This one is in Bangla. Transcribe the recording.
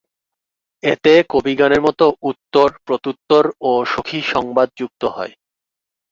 এতে কবিগানের মতো উত্তর-প্রত্যুত্তর ও সখীসংবাদ যুক্ত হয়।